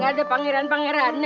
ga ada pangeran pangerannya